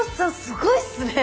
すごいっすね！